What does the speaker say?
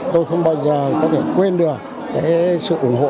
tôi không bao giờ có thể quên được cái sự ủng hộ